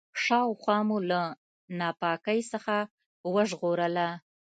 شاوخوا مو له ناپاکۍ څخه وژغورله.